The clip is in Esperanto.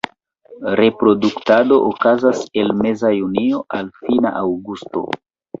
Reproduktado okazas el meza junio al fina aŭgusto.